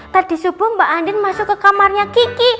tadi subuh mbak andin masuk ke kamarnya kiki